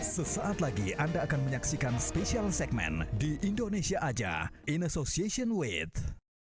sesaat lagi anda akan menyaksikan special segmen di indonesia aja in association with